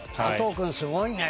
君すごいね。